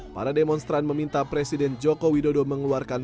para demonstran meminta presiden joko widodo mengeluarkan